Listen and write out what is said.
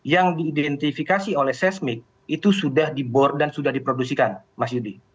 yang diidentifikasi oleh seismik itu sudah di bor dan sudah diproduksikan mas yudi